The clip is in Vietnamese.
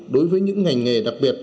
đối với những ngành nghề đặc biệt